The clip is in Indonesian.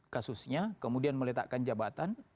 kasusnya kemudian meletakkan jabatan